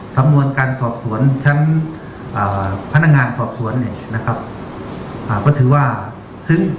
สังหวังการสอบสวนชั้นพนักงานสอบสวน